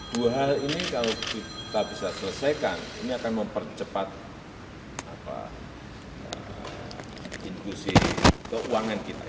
dua hal ini kalau kita bisa selesaikan ini akan mempercepat inklusi keuangan kita